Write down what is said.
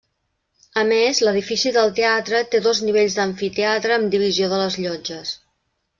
A més, l'edifici del teatre té dos nivells d'amfiteatre amb divisió de les llotges.